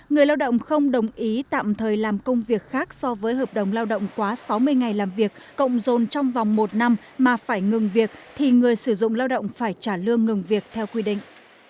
người lao động không đồng ý tạm thời làm công việc khác so với hợp đồng lao động quá sáu mươi ngày làm việc cộng dồn trong vòng một năm mà phải ngừng việc thì người sử dụng lao động phải trả lương ngừng việc theo quy định